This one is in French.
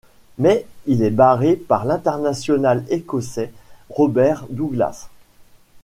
Mais il est barré par l'international écossais Robert Douglas.